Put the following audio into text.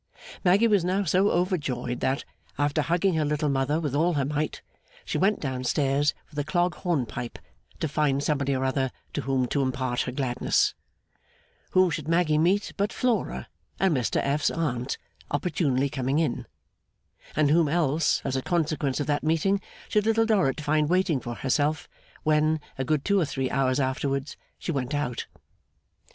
Maggy was now so overjoyed that, after hugging her little mother with all her might, she went down stairs like a clog hornpipe to find somebody or other to whom to impart her gladness. Whom should Maggy meet but Flora and Mr F.'s Aunt opportunely coming in? And whom else, as a consequence of that meeting, should Little Dorrit find waiting for herself, when, a good two or three hours afterwards, she went out?